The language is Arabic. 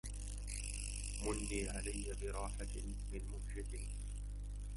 مني علي براحة من مهجة